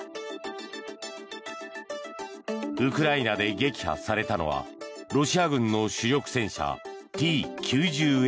ウクライナで撃破されたのはロシア軍の主力戦車Ｔ９０Ｍだ。